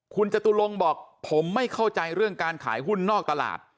คุณจตุลงบอกผมไม่เข้าใจเรื่องการขายหุ้นนอกตลาด